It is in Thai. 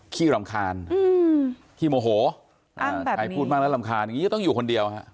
ขี้รำคาญขี้โมโหใครพูดมากแล้วรำคาญอย่างนี้ก็ต้องอยู่คนเดียวฮะ